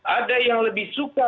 ada yang lebih suka